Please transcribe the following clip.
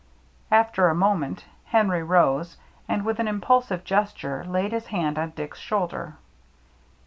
After a moment Henry rose, and, with an impulsive gesture, laid his hand on Dick's shoulder.